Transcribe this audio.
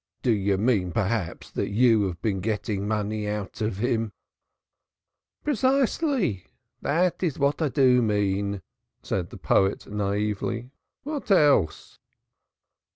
"Do you mean, perhaps, that you have been getting money out of him?" "Precisely. That is what I do mean," said the poet naively. "What else?"